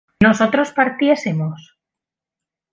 ¿que nosotros partiésemos?